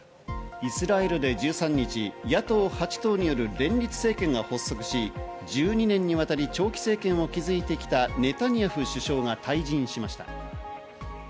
イスラエルで１３日、野党８党による連立政権が発足し、１２年にわたり長期政権を築いてきたネタニヤフ首相が退陣しました。